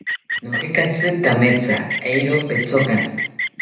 Nojekatzi kametha, eero petkotana